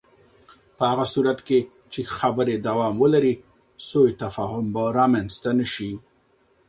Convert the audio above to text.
په هغه صورت کې چې خبرې دوام ولري، سوء تفاهم به رامنځته نه شي.